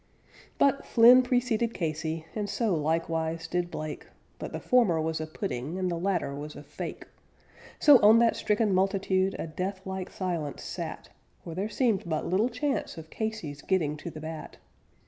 But Flynn preceded Casey, and so likewise did Blake, But the former was a pudding, and the latter was a fake; So on that stricken multitude a death like silence sat, For there seemed but little chance of Casey's getting to the bat.